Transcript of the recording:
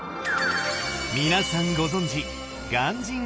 皆さんご存じ